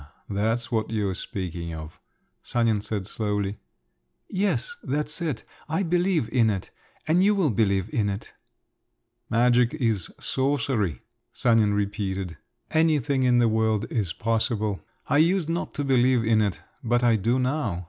That's what you're speaking of," Sanin said slowly. "Yes, that's it. I believe in it … and you will believe in it." "Magic is sorcery …" Sanin repeated, "Anything in the world is possible. I used not to believe in it—but I do now.